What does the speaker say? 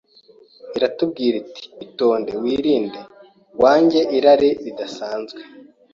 Iratubwira iti, Itonde, wirinde, wange irari ridasanzwe.